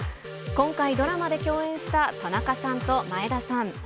今回、ドラマで共演した田中さんと前田さん。